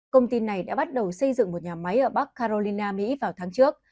công ty này đã bắt đầu xây dựng một nhà máy ở bắc carolina mỹ vào tháng trước